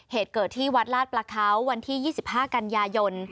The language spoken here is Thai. เหตุเกิดที่วัดลาดประเขาวันที่๒๕กันยายน